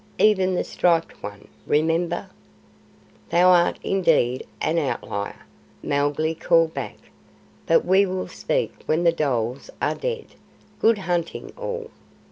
Even the Striped One, remember " "Thou art indeed an Outlier," Mowgli called back; "but we will speak when the dholes are dead. Good hunting all!"